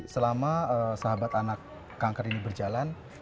selama sahabat anak kanker ini berjalan